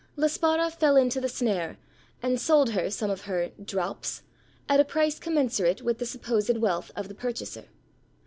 La Spara fell into the snare, and sold her some of her "drops" at a price commensurate with the supposed wealth of the purchaser.